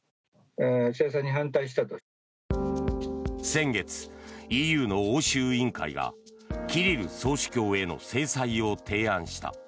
先月、ＥＵの欧州委員会がキリル総主教への制裁を提案した。